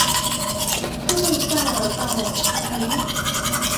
托特塞尔道海伊。